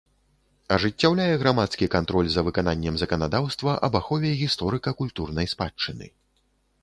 Ажыццяўляе грамадскі кантроль за выкананнем заканадаўства аб ахове гісторыка-культурнай спадчыны.